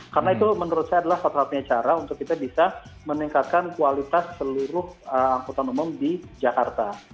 karena itu menurut saya adalah satu satunya cara untuk kita bisa meningkatkan kualitas seluruh angkutan umum di jakarta